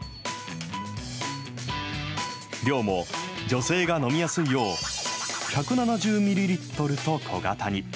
量も女性が飲みやすいよう、１７０ミリリットルと小型に。